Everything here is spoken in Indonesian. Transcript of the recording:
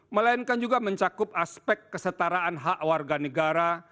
melainkan juga mencakup aspek kesetaraan hak warga negara